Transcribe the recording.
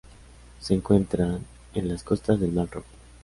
Se encuentran en las costas del Mar Rojo.